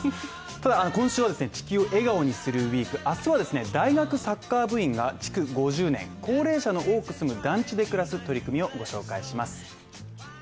ただ、今週は「地球を笑顔にするＷＥＥＫ」明日は大学サッカー部員が、築５０年高齢者の多く住む団地で暮らす取り組みをご紹介します。